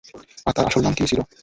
তার আসল নাম কী ছিল?